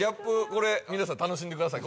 これ皆さん楽しんでください